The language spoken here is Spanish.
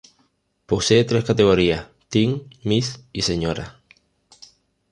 Posee tres categorías: Teen, Miss y Señora.